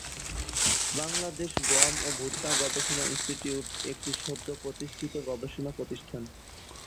বাংলাদেশ গম ও ভুট্টা গবেষণা ইনস্টিটিউট একটি সদ্য প্রতিষ্ঠিত গবেষণা প্রতিষ্ঠান।